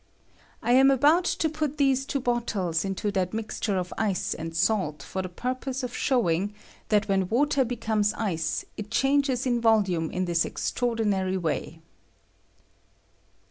I am about to put these two bottles into that mixture of ice and salt for the purpose of showing that when water becomes ice it changes in volume in this extraordinary way.